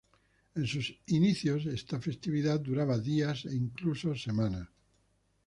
En sus inicios, esta festividad duraba días e incluso semanas.